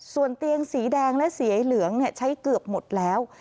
ส่วนเตียงสีแดงและสีเหลืองใช้เกือบหมดแล้ว